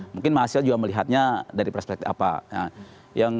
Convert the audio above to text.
mungkin mahasiswa juga melihatnya dari perspektif apa